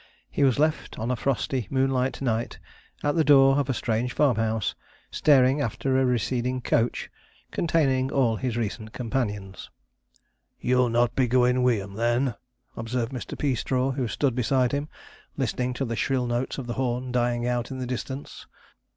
He was left on a frosty, moonlight night at the door of a strange farmhouse, staring after a receding coach, containing all his recent companions. 'You'll not be goin' wi' 'em, then?' observed Mr. Peastraw, who stood beside him, listening to the shrill notes of the horn dying out in the distance.